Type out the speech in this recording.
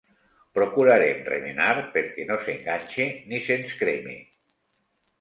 Procurarem remenar perquè no s'enganxe ni se'ns creme.